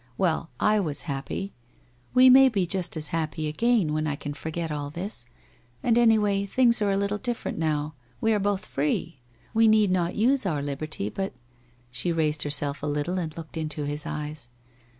Well, I was happy. We may be just as happy again, when I can forget all this. And any way, things are a little different now. We are both free. We need not use our liberty, but ' She raised herself a little and looked into his eyes.